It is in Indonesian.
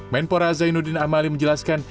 menpora zainuddin amali menjelaskan